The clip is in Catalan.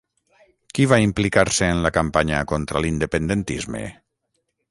Qui va implicar-se en la campanya contra l'independentisme?